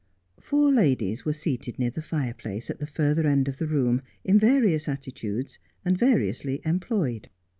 Four ladies were seated near the fireplace at the further end of the room, in various attitudes, and variously employed.